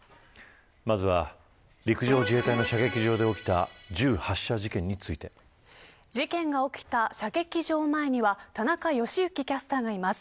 まずは、陸上自衛隊の射撃場で起きた事件が起きた射撃場前には田中良幸キャスターがいます。